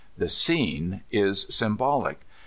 The scene is symbolic.